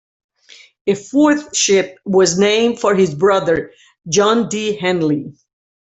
A fourth ship was named for his brother, John D. Henley.